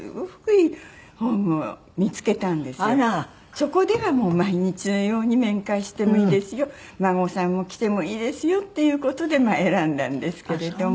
そこではもう毎日のように面会してもいいですよお孫さんも来てもいいですよっていう事で選んだんですけれども。